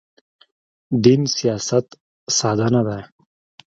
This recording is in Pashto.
دین سیاست ساده نه دی.